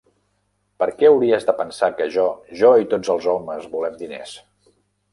Perquè hauries de pensar que jo, jo i tots els homes volem diners?